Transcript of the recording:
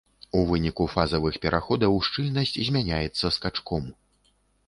У выніку фазавых пераходаў шчыльнасць змяняецца скачком.